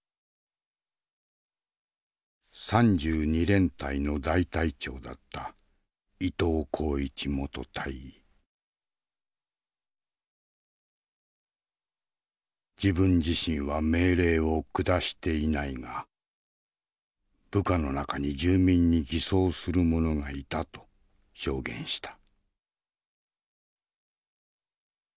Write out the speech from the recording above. ３２連隊の大隊長だった自分自身は命令を下していないが部下の中に住民に偽装する者がいたと証言した。